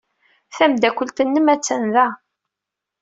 Tameddakelt-nnem attan da.